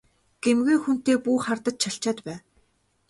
Гэмгүй хүнтэй бүү хардаж чалчаад бай!